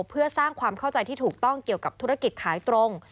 เพื่อสร้างความเข้าใจที่ถูกต้องเกี่ยวกับธุรกิจขายตรง